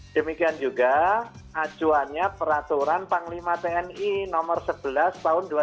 demikian juga acuannya peraturan panglima pni no sebelas tahun dua ribu sembilan belas